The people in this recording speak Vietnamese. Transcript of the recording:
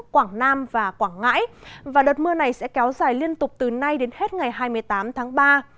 quảng nam và quảng ngãi và đợt mưa này sẽ kéo dài liên tục từ nay đến hết ngày hai mươi tám tháng ba